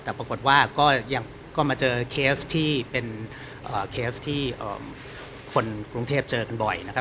แต่ปรากฏว่าก็ยังก็มาเจอเคสที่เป็นเคสที่คนกรุงเทพเจอกันบ่อยนะครับ